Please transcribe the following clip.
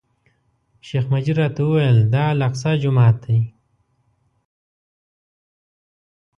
شیخ مجید راته وویل، دا الاقصی جومات دی.